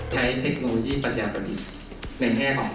เทคโนโลยีปัญญาประดิษฐ์ในแง่ของ